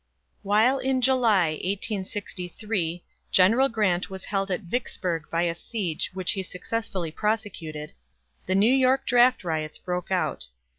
While in July, 1863, General Grant was held at Vicksburg by the siege which he successfully prosecuted, the New York draft riots broke out.